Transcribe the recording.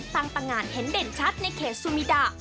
ตังตะงานเห็นเด่นชัดในเคสุมีดา